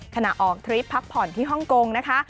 ขณะออกทริปพักผ่อนที่ฮ่องกงนะคะ